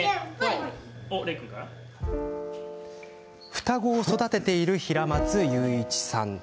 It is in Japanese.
双子を育てている平松勇一さん。